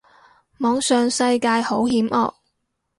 網上世界好險惡